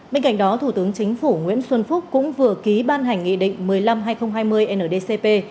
bên cạnh đó thủ tướng chính phủ nguyễn xuân phúc cũng vừa ký ban hành nghị định một mươi năm hai nghìn hai mươi ndcp